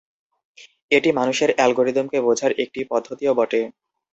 এটি মানুষের অ্যালগরিদম বোঝার একটি পদ্ধতিও বটে।